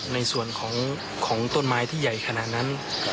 ในส่วนของต้นไม้ที่ใหญ่ขนาดนั้น